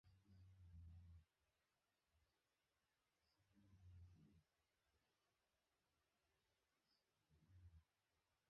তিনি গা ঢাকা দেন।